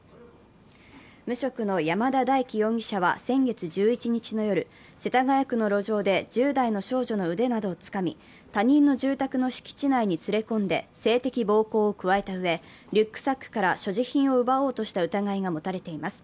無職の山田大樹容疑者は先月１１日の夜、世田谷区の路上で１０代の少女の腕などをつかみ、他人の住宅の敷地内に連れ込んで性的暴行を加えたうえ、リュックサックから所持品を奪おうとした疑いが持たれています。